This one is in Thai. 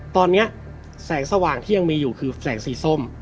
ตอนนี้แสงสว่างที่ยังมีอยู่คือแสงสีส้ม